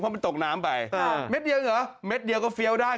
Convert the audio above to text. เพราะมันตกน้ำไปเม็ดเดียวเหรอเม็ดเดียวก็เฟียลได้